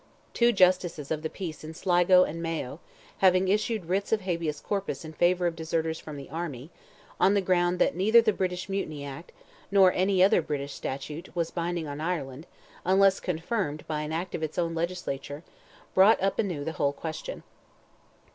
Two justices of the peace in Sligo and Mayo, having issued writs of habeas corpus in favour of deserters from the army, on the ground that neither the British Mutiny Act, nor any other British statute, was binding on Ireland, unless confirmed by an act of its own legislature, brought up anew the whole question.